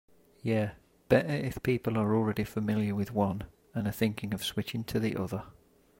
Yeah, better if people are already familiar with one and are thinking of switching to the other.